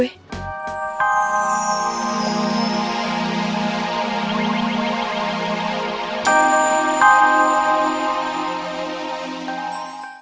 aduh siapa yang mau